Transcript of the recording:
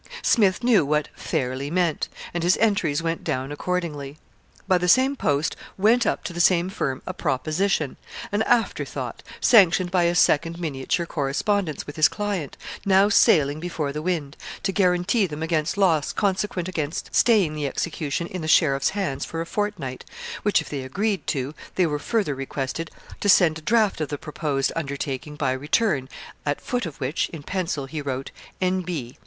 Smith knew what fairly meant, and his entries went down accordingly. By the same post went up to the same firm a proposition an afterthought sanctioned by a second miniature correspondence with his client, now sailing before the wind, to guarantee them against loss consequent against staying the execution in the sheriff's hands for a fortnight, which, if they agreed to, they were further requested to send a draft of the proposed undertaking by return, at foot of which, in pencil, he wrote, 'N.B.